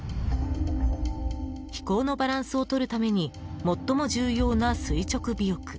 飛行のバランスをとるために最も重要な垂直尾翼。